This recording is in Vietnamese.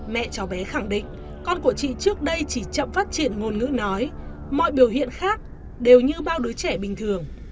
mẹ cháu bé khẳng định con của chị trước đây chỉ chậm phát triển ngôn ngữ nói mọi biểu hiện khác đều như bao đứa trẻ bình thường